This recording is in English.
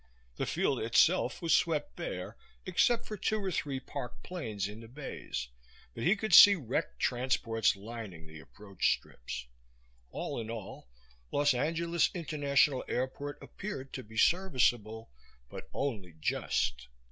The field itself was swept bare except for two or three parked planes in the bays, but he could see wrecked transports lining the approach strips. All in all, Los Angeles International Airport appeared to be serviceable, but only just.